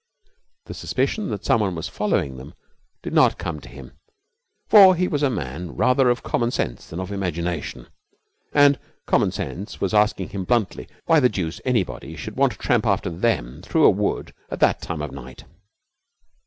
The suspicion that someone was following them did not come to him, for he was a man rather of common sense than of imagination, and common sense was asking him bluntly why the deuce anybody should want to tramp after them through a wood at that time of night.